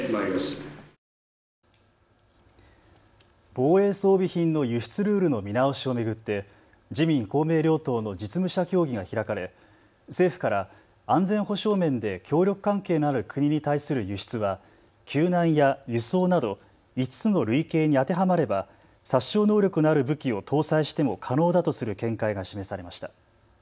防衛装備品の輸出ルールの見直しを巡って自民公明両党の実務者協議が開かれ、政府から安全保障面で協力関係のある国に対する輸出は救難や輸送など５つの類型に当てはまれば殺傷能力のある武器を搭載しても可能だとする見解が示されました。